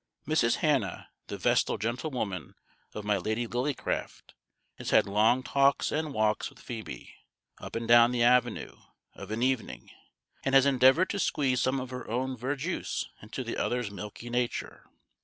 Mrs. Hannah, the vestal gentlewoman of my Lady Lillycraft, has had long talks and walks with Phoebe, up and down the avenue, of an evening; and has endeavoured to squeeze some of her own verjuice into the other's milky nature.